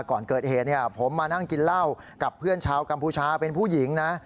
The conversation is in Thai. ก่อนเกิดเหตุผมมานั่งกินเหล้ากับเพื่อนชาวกัมพูชาเป็นผู้หญิงนะ